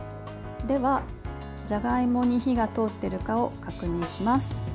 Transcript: では、じゃがいもに火が通っているかを確認します。